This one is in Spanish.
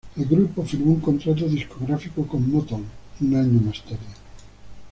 El grupo firmó un contrato discográfico con Motown un año más tarde.